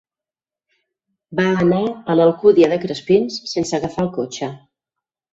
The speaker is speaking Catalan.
Va anar a l'Alcúdia de Crespins sense agafar el cotxe.